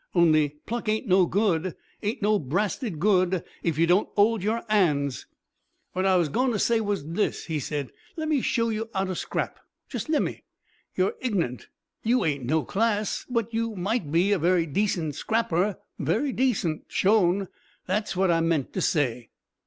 On'y pluck ain't no good ain't no brasted good if you don't 'old your 'ands. "Whad I was going to say was this," he said. "Lemme show you 'ow to scrap. Jest lemme. You're ig'nant, you ain't no class; but you might be a very decent scrapper very decent. Shown. That's what I meant to say."